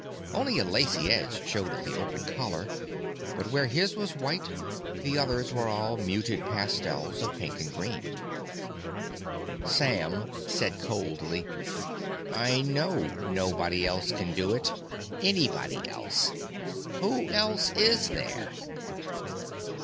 Only a lacy edge showed at the open collar; but where his was white, the others were all muted pastels of pink and green. Sam said coldly, "I know nobody else can do it. Anybody else! Who else is there?"